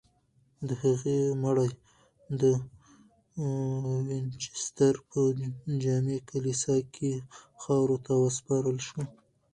د هغې مړی د وینچسټر په جامع کلیسا کې خاورو ته وسپارل شو.